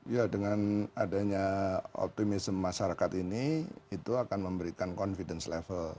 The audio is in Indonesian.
ya dengan adanya optimism masyarakat ini itu akan memberikan confidence level